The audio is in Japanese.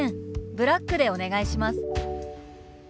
ブラックでお願いします」。